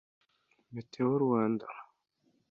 Meteo-Rwanda